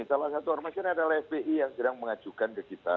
salah satu ormas ini adalah fpi yang sedang mengajukan ke kita